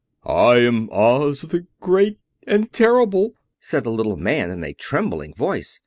"I am Oz, the Great and Terrible," said the little man, in a trembling voice.